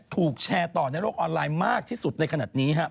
ถูกแชร์ต่อในโลกออนไลน์มากที่สุดในขณะนี้ครับ